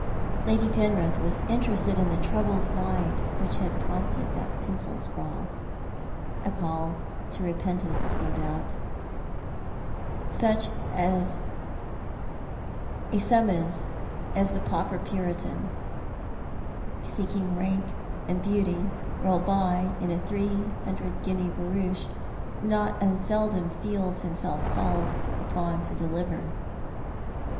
Lady Penrith was interested in the troubled mind whicn iiad prompted that pencil scrawl. A call to repentance, no doubt ; such a summons as the pauper Puritan, seeing rank and beauty roll by in a three huudred guinea barouche, not unseldom feels himself called upon to deliver.